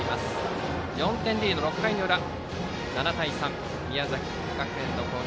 ４点リード、６回の裏宮崎学園の攻撃。